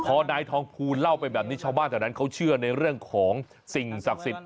พอนายทองภูลเล่าไปแบบนี้ชาวบ้านแถวนั้นเขาเชื่อในเรื่องของสิ่งศักดิ์สิทธิ์